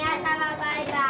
バイバーイ。